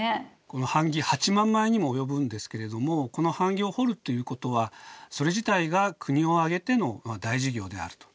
この版木８万枚にも及ぶんですけれどもこの版木を彫るということはそれ自体が国を挙げての大事業であると。